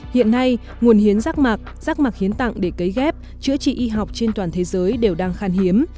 hiện nay nguồn hiến giác mạc giác mạc hiến tặng để cấy ghép chữa trị y học trên toàn thế giới đều đang khăn hiếm